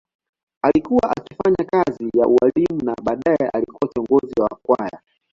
Alikuwa akifanya kazi ya ualimu na baadaye alikuwa kiongozi wa kwaya.